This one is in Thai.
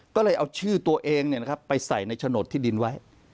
ก็เลยเอาชื่อตัวเองเนี่ยนะครับไปใส่ในโฉนดที่ดินไว้